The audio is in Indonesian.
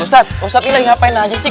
ustadz ustadz ini lagi ngapain aja sih